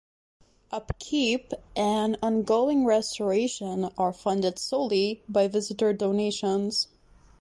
Upkeep and ongoing restoration are funded solely by visitor donations.